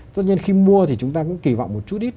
tất nhiên khi mua thì chúng ta cũng kỳ vọng một chút ít